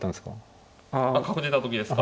ああ角出た時ですか。